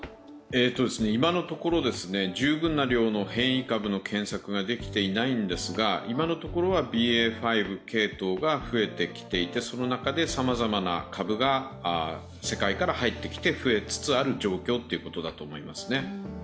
今のところ、十分な量の変異株の検索ができていないんですが、今のところはＢＡ．５系統が増えてきていてその中でさまざまな株が世界から入ってきて増えつつある状況ということだと思いますね。